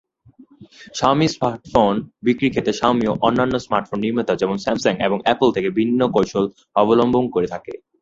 Xiaomi smartphone বিক্রির ক্ষেত্রে, Xiaomi অন্যান্য স্মার্টফোন নির্মাতা যেমন- স্যামসাং এবং অ্যাপল থেকে ভিন্ন কৌশল অবলম্বন করে থাকে।